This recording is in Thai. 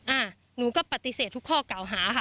หนูก็ปฏิเสธทุกข้อเก่าหาค่ะ